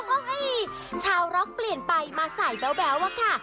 โอ้โฮชาวล็อกเปลี่ยนไปมาใส่แบวล่ะค่ะ